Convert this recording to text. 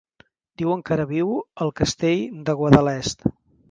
Diuen que ara viu al Castell de Guadalest.